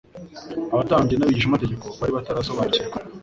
Abatambyi n’abigishamategeko bari batarasobanukirwa